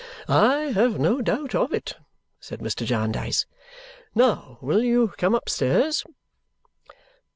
"I have no doubt of it," said Mr. Jarndyce. "Now, will you come upstairs?"